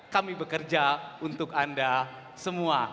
kami bekerja untuk anda semua